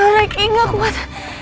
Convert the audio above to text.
ricky gak kuat